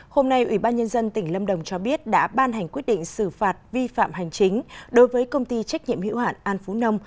hôm nay ủy ban nhân dân tỉnh lâm đồng cho biết đã ban hành quyết định xử phạt vi phạm hành chính đối với công ty trách nhiệm hữu hạn an phú nông